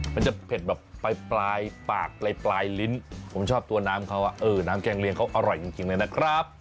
มันจะเผ็ดแบบปลายปากปลายลิ้นผมชอบตัวน้ำเขาน้ำแกงเลียงเขาอร่อยจริงเลยนะครับ